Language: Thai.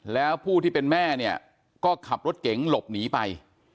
แล้วผู้ที่เป็นแม่เนี่ยก็ขับรถเก๋งหลบหนีไป